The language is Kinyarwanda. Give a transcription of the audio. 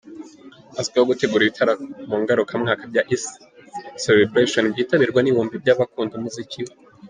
Azwiho gutegura ibitaramo ngarukamwaka bya ‘East Celebration’ byitabirwa n’ibihumbi by’abakunda umuziki we.